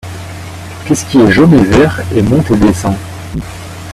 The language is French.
Qu'est-ce qui est jaune et vert et monte et descend?